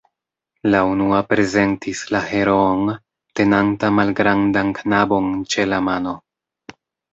La unua prezentis la heroon, tenanta malgrandan knabon ĉe la mano.